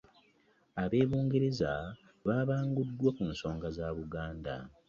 Ab'e Bugerere babanguddwa ku nsonga za Buganda